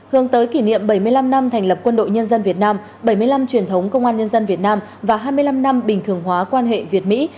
hướng tới kỷ niệm bảy mươi năm năm thành lập quân đội nhân dân việt nam bảy mươi năm truyền thống công an nhân dân việt nam và hai mươi năm năm bình thường hóa quan hệ việt mỹ